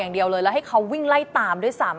อย่างเดียวเลยแล้วให้เขาวิ่งไล่ตามด้วยซ้ำ